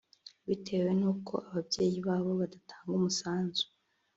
bitewe n’uko ababyeyi babo badatanga umusanzu